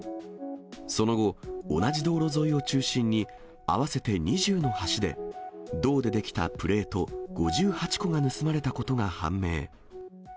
その後、同じ道路沿いを中心に合わせて２０の橋で、銅で出来たプレート５８個が盗まれたことが判明。